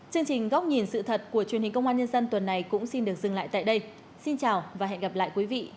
cảm ơn các bạn đã theo dõi và hẹn gặp lại